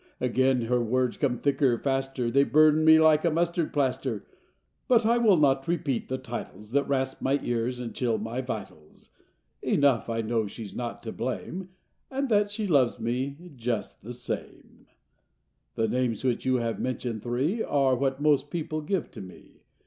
Again her words come thicker, faster, They burn me like a mustard plaster. But I will not repeat the titles That rasp my ears and chill my vitals. Enough, I know she's not to blame. And that she loves me just the same." Copyrighted, 1897 I HE names which you have mentioned, three, what most people give to me."